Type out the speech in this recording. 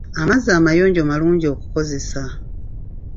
Amazzi amayonjo malungi okukozesa.